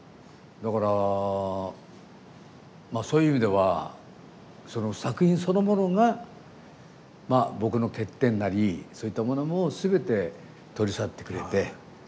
だからそういう意味では作品そのものが僕の欠点なりそういったものも全て取り去ってくれて。